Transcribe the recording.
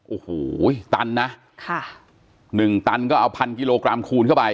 โอ้โหตันนะค่ะหนึ่งตันก็เอาพันกิโลกรัมคูณเข้าไป